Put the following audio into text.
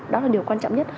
đó là điều quan trọng nhất